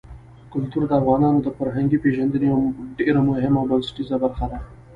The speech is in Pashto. کلتور د افغانانو د فرهنګي پیژندنې یوه ډېره مهمه او بنسټیزه برخه ده.